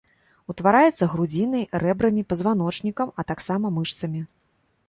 Утвараецца грудзінай, рэбрамі, пазваночнікам, а таксама мышцамі.